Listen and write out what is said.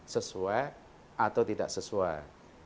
sesuai atau tidak sesuai